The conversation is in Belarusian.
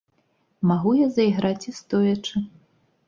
Магу я зайграць і стоячы.